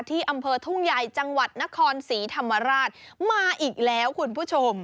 อำเภอทุ่งใหญ่จังหวัดนครศรีธรรมราชมาอีกแล้วคุณผู้ชม